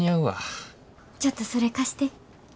ちょっとそれ貸して。